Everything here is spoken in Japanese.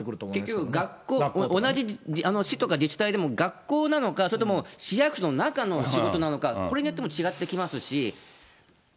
結局、学校、同じ市とか自治体で、学校なのか、それとも市役所の中の仕事なのか、これによっても違ってきますし。